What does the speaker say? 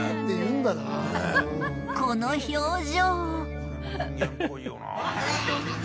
この表情。